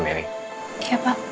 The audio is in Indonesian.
aku aja yang makan